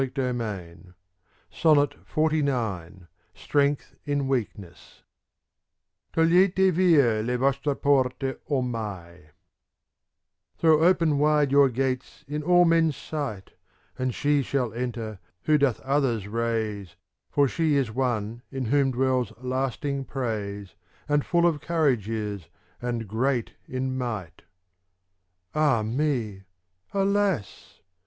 180 CANZONIERE SONNET XLI X lS() ^^^'■^^ STRENGTH IN WEAKNESS Togliete "via U vostre forte omat "Throw open wide your gates in all men's sight, And she shall enter who doth others raise, For she is one in whom dwells lasting praise. And full of courage is, and great in might." "Ah me! Alas!"